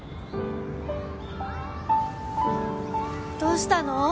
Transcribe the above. どうしたの？